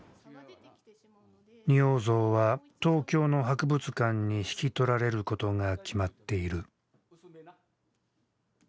仁王像は東京の博物館に引き取られることが決まっている。